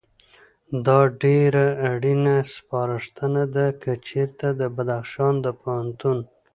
دا ډېره اړینه سپارښتنه ده، که چېرته د بدخشان د پوهنتون